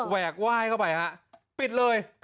แหวกว่ายเข้าไปปิดเลย